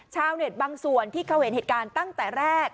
ชาวเน็ตบางส่วนที่เขาเห็นเหตุการณ์ตั้งแต่แรก